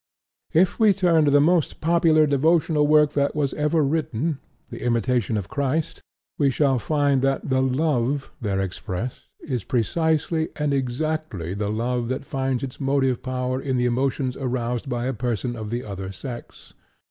If we turn to the most popular devotional work that was ever written, The Imitation of Christ, we shall find that the "love" there expressed is precisely and exactly the love that finds its motive power in the emotions aroused by a person of the other sex.